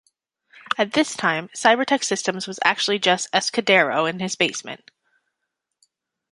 At this time Cybertech Systems was actually just Escudero in his basement.